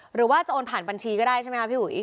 หรือว่าจะโอนผ่านบัญชีก็ได้ใช่ไหมคะพี่อุ๋ย